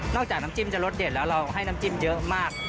จากน้ำจิ้มจะรสเด็ดแล้วเราให้น้ำจิ้มเยอะมาก